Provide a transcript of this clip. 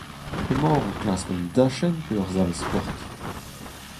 Emaoc'h o klask un dachenn pe ur sal-sport ?